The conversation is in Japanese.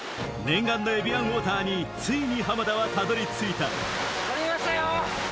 念願のエビアンウオーターについに浜田はたどり着いた汲みましたよ！